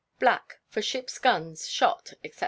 _Black, for ships' guns, shots, &c.